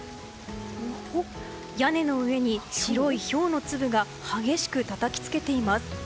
屋根の上に白いひょうの粒が激しくたたきつけています。